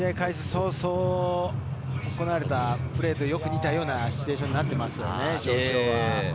早々、行われたプレーとよく似たシチュエーションになっています。